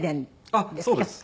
あっそうです。